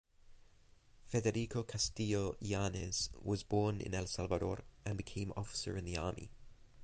Federico Castillo Yanes was born in El Salvador and became officer in the Army.